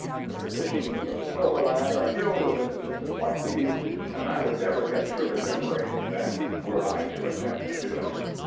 The traditions of Silverland are filled with instances like these, and I would never get through enumerating them were I to attempt do it.